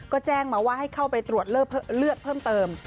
ก็แจ้งมาว่าให้เข้าไปตรวจเลือดเพิ่มเติม